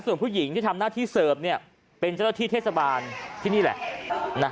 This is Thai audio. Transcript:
ส่วนผู้หญิงที่ทำหน้าที่เสิร์ฟเป็นเจ้าหน้าที่เทศบาลที่นี่แหละ